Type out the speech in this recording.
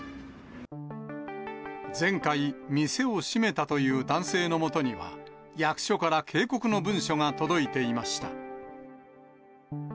前回、店を閉めたという男性のもとには、役所から警告の文書が届いていました。